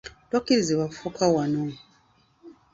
Tokkirizibwa kufuka wano.